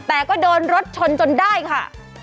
แต่ก็โดนรถชนจนได้ค่ะ